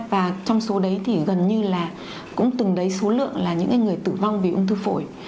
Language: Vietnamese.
và trong số đấy thì gần như là cũng từng đấy số lượng là những người tử vong vì ung thư phổi